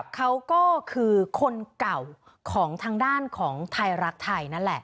เขาก็คือคนเก่าของทางด้านของไทยรักไทยนั่นแหละ